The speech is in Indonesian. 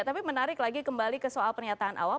tapi menarik lagi kembali ke soal pernyataan awal